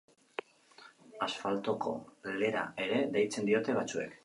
Asfaltoko lera ere deitzen diote batzuek.